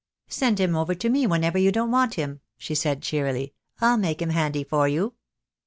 "Send him over to me whenever you don't want him," she said, cheerily. "I'll make him handy for you."